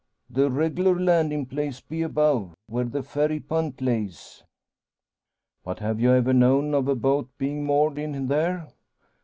The reg'lar landin' place be above where the ferry punt lays." "But have you ever known of a boat being moored in there?"